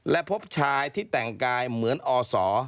และพบชายที่แต่งกายเหมือนอศ